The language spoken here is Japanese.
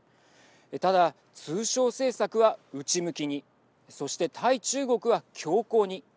ただ、通商政策は内向きにそして、対中国は強硬に。